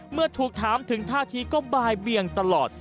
เมื่อถูกถามถึงท่าทีก็บ่ายเบียงตลอด